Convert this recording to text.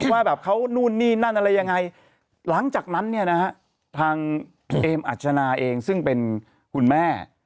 ว่าแบบเขานู่นนี่นั่นอะไรยังไงหลังจากนั้นเนี่ยนะฮะทางเอมอัชนาเองซึ่งเป็นคุณแม่